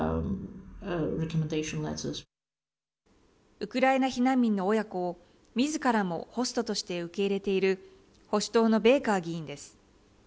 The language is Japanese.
ウクライナ避難民の親子をみずからもホストとして受け入れている保守党のベーカー議員です。